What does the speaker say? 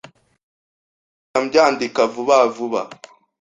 mpita mbyandika vuba vuba,